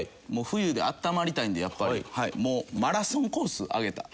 冬で温まりたいんでやっぱりもうマラソンコースあげた。